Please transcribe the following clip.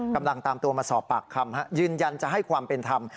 กำลังตามตัวมาสอบปากคำยืนยันจะให้ความเป็นธรรม